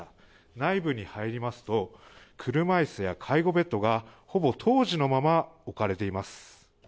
内部に入りますと車椅子や介護ベッドがほぼ当時のまま置かれています。